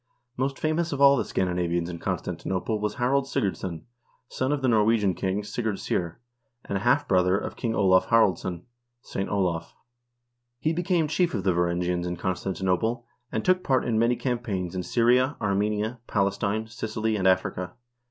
Most famous of all the Scandinavians in Constanti nople was Ilarald Sigurdsson, son of the Norwegian king, Sigurd Syr, and a half brother of King Olav Haraldsson (St. Olav). He became chief of the Varangians in Constantinople, and took part in many campaigns in Syria, Armenia, Palestine, Sicily, and Africa.